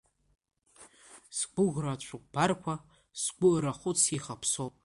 Сгәыӷра ацәыкәбарқәа сгәы арахәыц иахаԥсоуп…